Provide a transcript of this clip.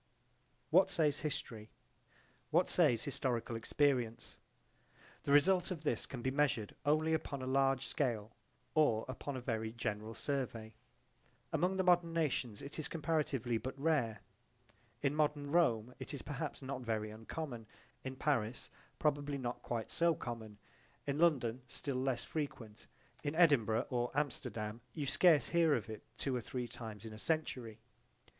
What says history? What says historical experience? The result of this can be measured only upon a large scale or upon a very general survey. Among the modern nations it is comparatively but rare. In modern Rome it is perhaps not very uncommon; in Paris probably not quite so common; in London still less frequent; in Edinburgh or Amsterdam you scarce hear of it two or three times in a century.